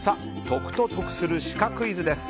解くと得するシカクイズです。